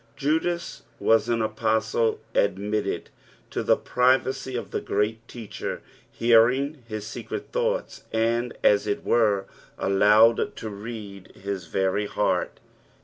Judas was on apostle, admitted to the privacy of the Qreat Teacher, hearing his secret thoughts, and, as it were, allowed to read hii very heart.